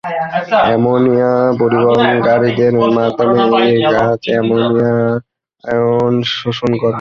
Ammonia পরিবহনকারীদের মাধ্যমে এই গাছ অ্যামোনিয়া আয়ন শোষণ করে।